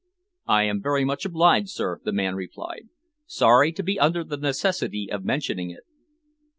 "I am very much obliged, sir," the man replied. "Sorry to be under the necessity of mentioning it."